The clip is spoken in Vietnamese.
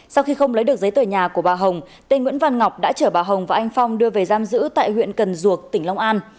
sau khi không lấy được giấy tờ nhà của bà hồng tên nguyễn văn ngọc đã chở bà hồng và anh phong đưa về giam giữ tại huyện cần duộc tỉnh long an